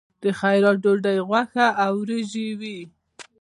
د خیرات ډوډۍ غوښه او وریجې وي.